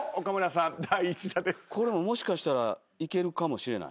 これももしかしたらいけるかもしれない。